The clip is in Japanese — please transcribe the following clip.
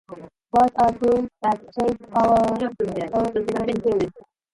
Words are tools that shape our thoughts and feelings.